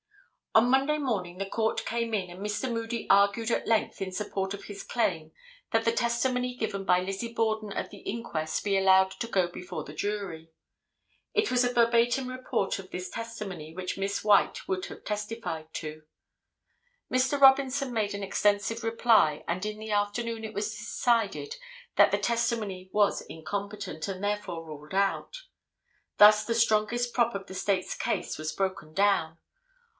On Monday morning the Court came in and Mr. Moody argued at length in support of his claim that the testimony given by Lizzie Borden at the inquest be allowed to go before the jury. It was a verbatim report of this testimony which Miss White would have testified to. Mr. Robinson made an extensive reply and in the afternoon it was decided that the testimony was incompetent, and therefore ruled out. Thus the strongest prop of the State's case was broken down.